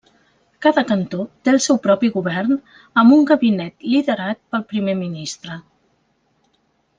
Cada cantó té el seu propi govern amb un gabinet liderat pel primer ministre.